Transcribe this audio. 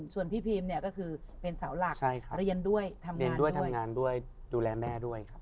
ส่วนพี่พีมเนี่ยก็คือเป็นสาวหลักเรียนด้วยทำงานด้วยดูแลแม่ด้วยครับ